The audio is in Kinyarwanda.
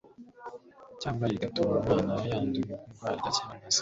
cyangwa rigatuma umwana yandura indwara idakira nka sida